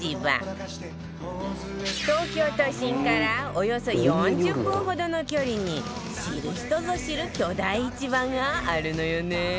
東京都心からおよそ４０分ほどの距離に知る人ぞ知る巨大市場があるのよね